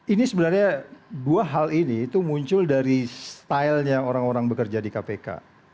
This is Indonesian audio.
ini sebenarnya dua hal ini itu muncul dari stylenya orang orang bekerja di kpk